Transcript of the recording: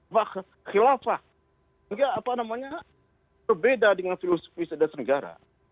sehingga apa namanya berbeda dengan filosofi sedas negara